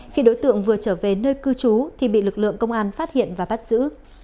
khi đối tượng vừa trở về nơi cư trú thì bị lực lượng công an phát hiện và bắt giữ